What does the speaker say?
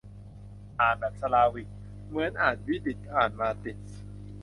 อ่านแบบสลาวิก เหมือน อ่านวีดิช อ่านมาติช